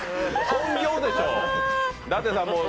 本業でしょう。